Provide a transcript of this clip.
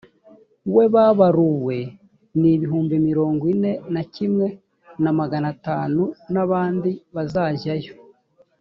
we babaruwe ni ibihumbi mirongo ine na kimwe na magana atanu abandi bazajyayo